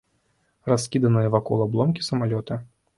Раскіданыя вакол абломкі самалёта.